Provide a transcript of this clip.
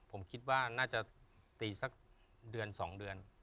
ผมคิดว่าน่าจะตีสักเดือน๒เดือน